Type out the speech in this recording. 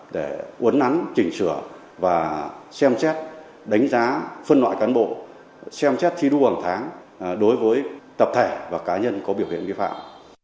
để uấn nắn chỉnh sửa và xem xét đánh giá phân loại cán bộ xem xét thi đu bằng tháng đối với tập thể và cá nhân có biểu hiện nghi phạm